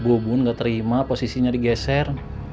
abukbun gak terima posisi dia di geser